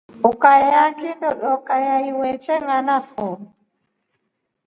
Ukayaa kindo doka ya iwe chenganafo.